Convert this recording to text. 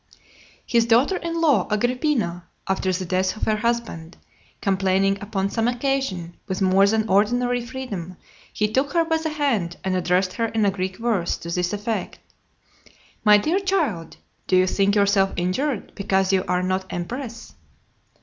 (225) LIII. His daughter in law Agrippina, after the death of her husband, complaining upon some occasion with more than ordinary freedom, he took her by the hand, and addressed her in a Greek verse to this effect: "My dear child, do you think yourself injured, because you are not empress?"